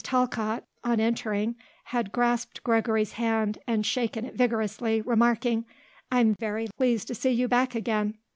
Talcott, on entering, had grasped Gregory's hand and shaken it vigorously, remarking: "I'm very pleased to see you back again."